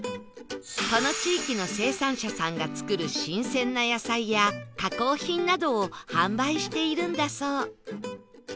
この地域の生産者さんが作る新鮮な野菜や加工品などを販売しているんだそう